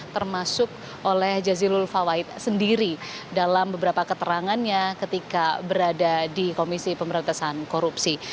termasuk oleh jazilul fawait sendiri dalam beberapa keterangannya ketika berada di komisi pemberantasan korupsi